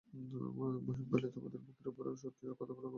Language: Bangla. মহিম কহিলেন, তোমরা ওদের মুখের উপর সত্যি কথা বলে ওদের অপ্রতিভ করতে চাও!